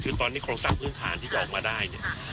คือตอนนี้โครงทรัพย์พื้นทานที่จะออกมาได้